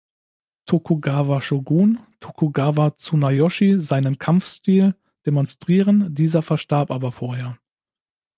Tokugawa-Shogun Tokugawa Tsunayoshi seinen Kampfstil demonstrieren, dieser verstarb aber vorher.